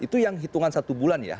itu yang hitungan satu bulan ya